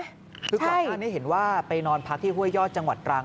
คือก่อนหน้านี้เห็นว่าไปนอนพักที่ห้วยยอดจังหวัดตรัง